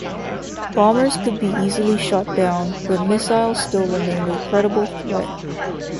Bombers could be easily shot down, but missiles still remained a credible threat.